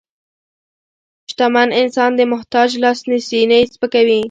شتمن انسان د محتاج لاس نیسي، نه یې سپکوي.